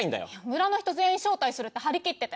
村の人全員招待するって張り切ってて。